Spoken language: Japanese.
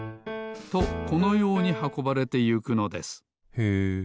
とこのようにはこばれてゆくのですへえ。